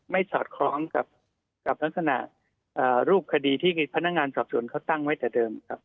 สอดคล้องกับลักษณะรูปคดีที่พนักงานสอบสวนเขาตั้งไว้แต่เดิมครับ